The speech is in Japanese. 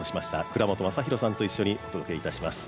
倉本昌弘さんとともにお届けします。